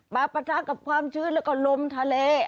ปะทะกับความชื้นแล้วก็ลมทะเล